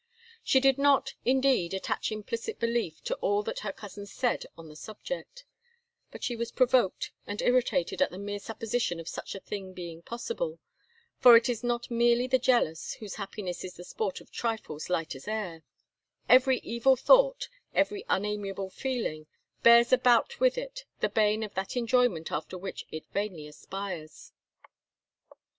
She did not, indeed, attach implicit belief to all that her cousin said on the subject; but she was provoked and irritated at the mere supposition of such a thing being possible; for it is not merely the jealous whose happiness is the sport of trifles light as air every evil thought, every unamiable feeling, bears about with it the bane of that enjoyment after which it vainly aspires.